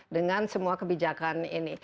dengan semua kebijakan ini